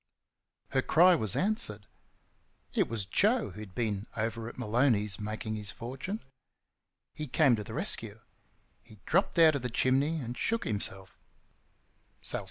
Her cry was answered. It was Joe, who had been over at Maloney's making his fortune. He came to the rescue. He dropped out of the chimney and shook himself.